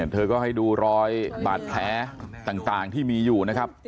เธอก็ให้ดูรอยบาดแผลต่างที่มีอยู่นะครับ